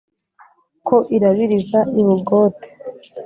Ko irabiriza i Bugote